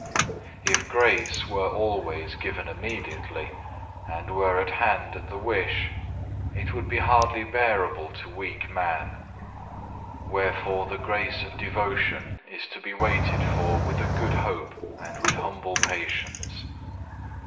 2. If grace were always given immediately, and were at hand at the wish, it would be hardly bearable to weak man. Wherefore the grace of devotion is to be waited for with a good hope and with humble patience.